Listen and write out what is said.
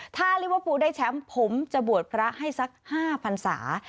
ถ้าลิเวอร์ฟูลได้แชมป์ผมจะบวชพระให้สัก๕พันศา